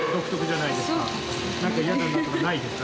なんか嫌だなとかないですか？